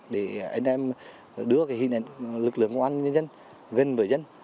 để anh em đưa hình ảnh lực lượng công an nhân dân gần với dân